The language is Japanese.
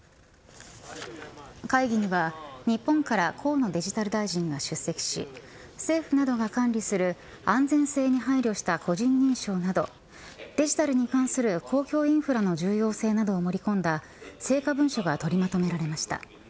会議には日本から河野デジタル大臣が出席し政府などが管理する安全性に配慮した個人認証などデジタルに関する公共インフラの重要性などを盛り込んだ成果文書が取りまとめられました。